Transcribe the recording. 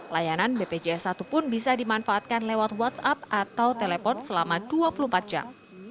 layanan bpjs satu pun bisa dimanfaatkan lewat whatsapp atau telepon selama dua puluh empat jam